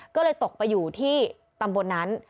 ก็เลยตกไปอยู่ที่ตำบลนั้น